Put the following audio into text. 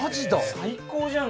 最高じゃん！